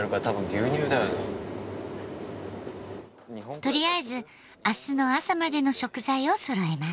とりあえず明日の朝までの食材をそろえます。